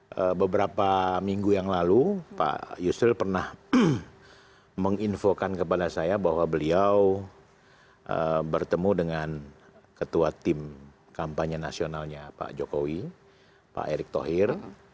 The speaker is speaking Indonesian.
jadi beberapa minggu yang lalu pak yusril pernah menginfokan kepada saya bahwa beliau bertemu dengan ketua tim kampanye nasionalnya pak jokowi pak erick thohir